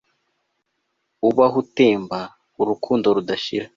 ubaho utemba, urukundo rudashira